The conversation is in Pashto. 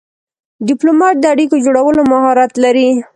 ډيپلومات د اړیکو جوړولو مهارت لري.